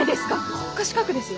国家資格ですよ？